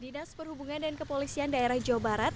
di das perhubungan dan kepolisian daerah jawa barat